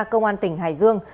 công an tỉnh hải dương